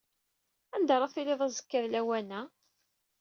Anda ara tiliḍ azekka lawan-a?